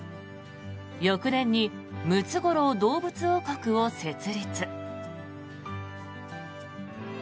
翌年にムツゴロウ動物王国を設立。